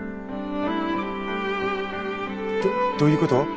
どどういうこと？